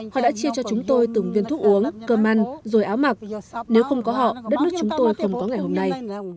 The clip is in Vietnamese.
họ đã chia cho chúng tôi từng viên thuốc uống cơm ăn rồi áo mặc nếu không có họ đất nước chúng tôi không có ngày hôm nay